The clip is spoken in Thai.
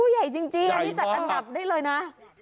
ใหญ่จริงอันนี้จัดอันดับได้เลยนะ